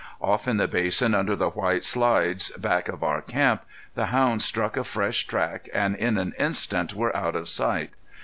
Off in the basin under the White Slides, back of our camp, the hounds struck a fresh track and in an instant were out of sight.